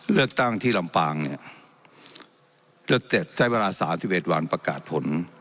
เลือกตั้งที่ลำปางเนี่ยใช้เวลา๓๑วันประกาศผล